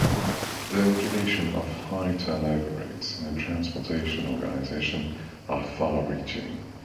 The implications of high turnover rates in a transportation organization are far-reaching.